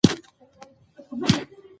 ماشومان په مینه او شفقت وروځئ.